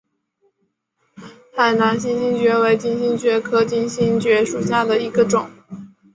海南金星蕨为金星蕨科金星蕨属下的一个种。